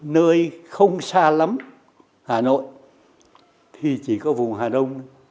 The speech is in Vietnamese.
nơi không xa lắm hà nội thì chỉ có vùng hà đông thôi